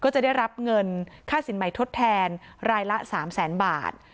จะได้รับเงินค่าสินใหม่ทดแทนรายละ๓แสนบาท